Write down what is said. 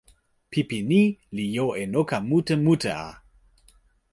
pipi ni li jo e noka mute mute a!